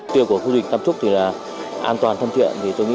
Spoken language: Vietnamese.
tiêu của khu du lịch tam trúc thì là an toàn thân thiện